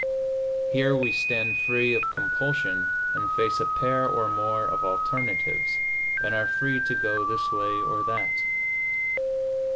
Here we stand free of compulsion and face a pair or more of alternatives, and are free to go this way or that.